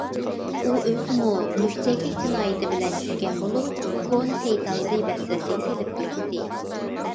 ئۇ ئۆزىمۇ لۈكچەكلىك جىنايىتى بىلەن چۈشكەن بولۇپ، كونا شەيتانلىرى ۋەسۋەسىگە سېلىپ تۇراتتى.